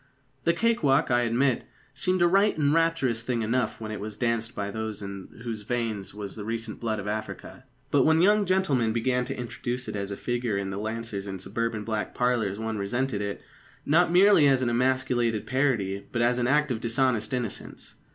The cake walk, I admit, seemed a right and rapturous thing enough when it was danced by those in whose veins was the recent blood of Africa. But when young gentlemen began to introduce it as a figure in the lancers in suburban back parlours one resented it, not merely as an emasculated parody, but as an act of dishonest innocence.